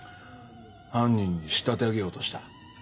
犯人に仕立て上げようとした？